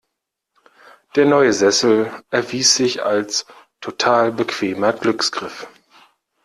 Der neue Sessel erwies sich als total bequemer Glücksgriff.